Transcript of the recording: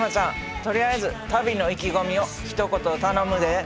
とりあえず旅の意気込みをひと言頼むで。